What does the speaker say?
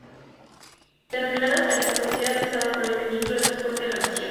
Denominadas "Tarifa Social", lanzada por el Ministerio de Transporte de la Nación.